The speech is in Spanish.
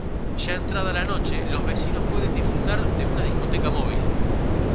Ya entrada la noche, los vecinos pueden disfrutar de una discoteca móvil.